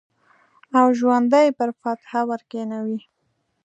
او ژوند یې پر فاتحه ورکښېنوی